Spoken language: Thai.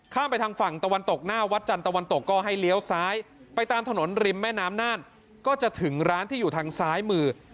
ไปทางฝั่งตะวันตกหน้าวัดจันทะวันตกก็ให้เลี้ยวซ้ายไปตามถนนริมแม่น้ำน่านก็จะถึงร้านที่อยู่ทางซ้ายมือ